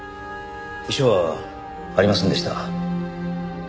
遺書はありませんでした。